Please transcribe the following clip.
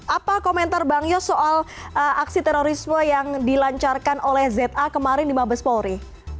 apa komentar bang yos soal aksi terorisme yang dilancarkan oleh za kemarin di mabes polri